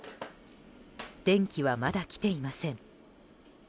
電気は、まだ来ていません。